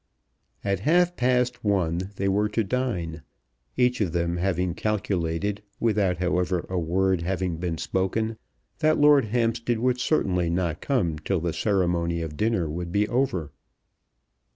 At half past one they were to dine, each of them having calculated, without, however, a word having been spoken, that Lord Hampstead would certainly not come till the ceremony of dinner would be over.